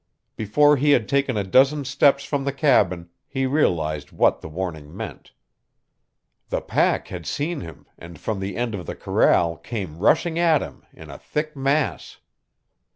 Before he had taken a dozen steps from the cabin he realized what the warning meant. The pack had seen him and from the end of the corral came rushing at him in a thick mass.